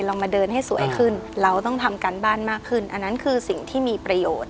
เรามาเดินให้สวยขึ้นเราต้องทำการบ้านมากขึ้นอันนั้นคือสิ่งที่มีประโยชน์